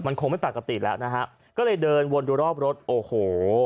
มันคงไม่ปกติแล้วนะฮะก็เลยเดินวนดูรอบรถโอ้โห